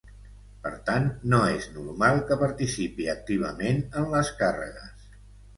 Per tant, no és normal que participi activament en les càrregues.